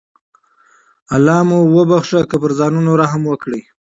الله مو بخښي که پر ځانونو رحم وکړئ.